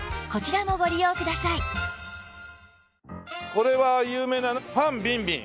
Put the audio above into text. これは有名なファン・ビンビン。